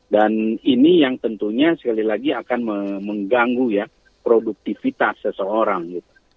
dan ini yang tentunya sekali lagi akan mengganggu ya produktivitas seseorang gitu